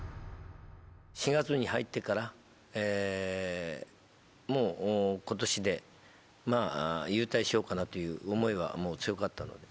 ４月に入ってから、もうことしで、まあ、勇退しようかなという思いはもう強かった。